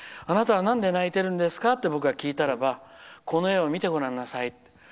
あなたはなんで泣いてるんですかって聞いたらこの絵を見てご覧なさい。